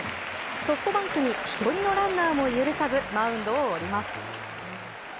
ソフトバンクに１人のランナーも許さず、マウンドを降ります。